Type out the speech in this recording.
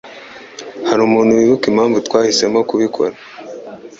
Hari umuntu wibuka impamvu twahisemo kubikora?